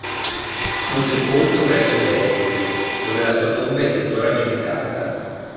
Fu sepolto presso Beirut, dove la sua tomba è tuttora visitata.